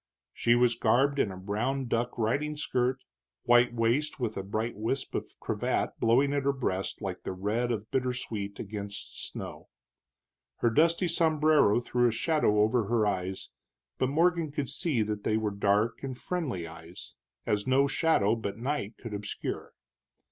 She was garbed in a brown duck riding skirt, white waist with a bright wisp of cravat blowing at her breast like the red of bittersweet against snow. Her dusty sombrero threw a shadow over her eyes, but Morgan could see that they were dark and friendly eyes, as no shadow but night could obscure.